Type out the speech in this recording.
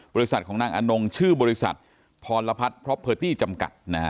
บริษัทของนางอานงชื่อบริษัทพรพัฒน์พร้อมพิวเตอร์ตี้จำกัด